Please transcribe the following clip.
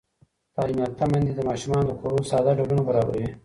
تعلیم یافته میندې د ماشومانو د خوړو ساده ډولونه برابروي.